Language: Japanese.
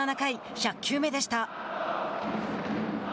１００球目でした。